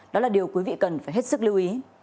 đó là điều quý vị cần phải hết sức lưu ý